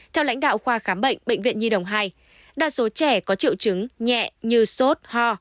theo lãnh đạo khoa khám bệnh bệnh viện nhi đồng hai đa số trẻ có triệu chứng nhẹ như sốt ho